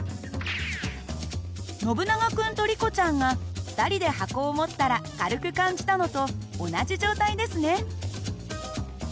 ノブナガ君とリコちゃんが２人で箱を持ったら軽く感じたのと同じ状態ですね。